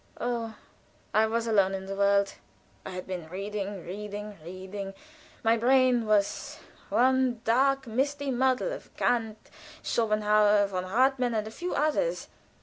"Oh, I was alone in the world. I had been reading, reading, reading; my brain was one dark and misty muddle of Kant, Schopenhauer, von Hartmann, and a few others.